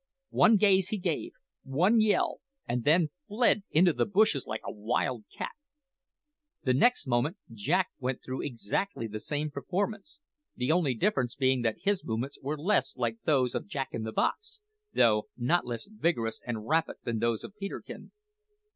One gaze he gave, one yell, and then fled into the bushes like a wild cat. The next moment Jack went through exactly the same performance, the only difference being that his movements were less like those of Jack in the box, though not less vigorous and rapid than those of Peterkin.